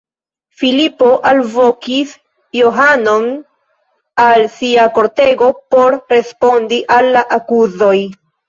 Filipo alvokis Johanon al sia kortego por respondi al la akuzoj.